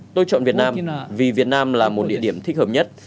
tôi chọn việt nam vì việt nam là một địa điểm thích hợp nhất